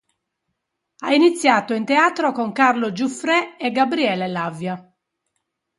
Ha iniziato in teatro con Carlo Giuffré e Gabriele Lavia.